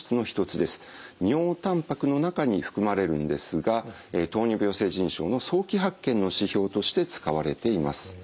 尿たんぱくの中に含まれるんですが糖尿病性腎症の早期発見の指標として使われています。